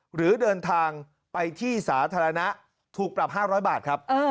หรือเดินทางไปที่สาธารณะถูกปรับ๕๐๐บาทครับ